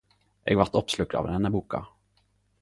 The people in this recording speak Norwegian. Eg vart oppslukt av denne boka!